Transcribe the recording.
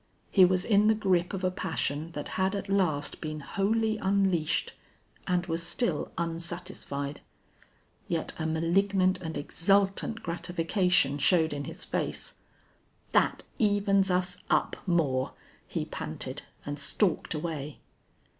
He was in the grip of a passion that had at last been wholly unleashed and was still unsatisfied. Yet a malignant and exultant gratification showed in his face. "That evens us up, Moore," he panted, and stalked away.